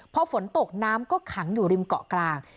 พอฝนตกน้ำก็ขังอยู่ริมเกาะกลาง